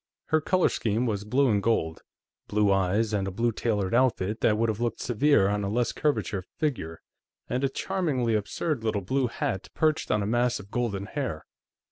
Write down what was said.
Her color scheme was blue and gold; blue eyes, and a blue tailored outfit that would have looked severe on a less curvate figure, and a charmingly absurd little blue hat perched on a mass of golden hair.